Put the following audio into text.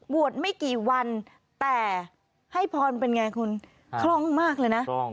ไม่กี่วันแต่ให้พรเป็นไงคุณคล่องมากเลยนะ